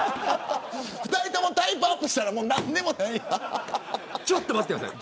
２人ともタイムアップしたら何にもない。